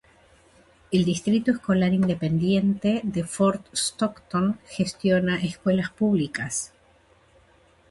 El Distrito Escolar Independiente de Fort Stockton gestiona escuelas públicas.